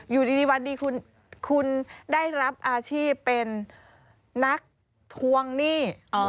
อยู่ดีวันดีคุณได้รับอาชีพเป็นนักทวงหนี้